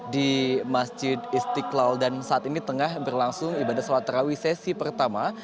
di masjid istiqlal dan saat ini tengah berlangsung ibadah sholat tarawih sesi pertama